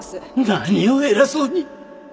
何を偉そうに！